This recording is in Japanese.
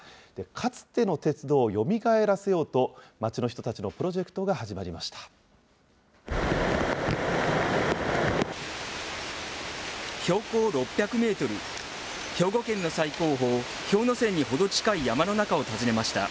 かつての鉄道をよみがえらせようと、町の人たちのプロジェクトが標高６００メートル、兵庫県の最高峰、氷ノ山にほど近い山の中を訪ねました。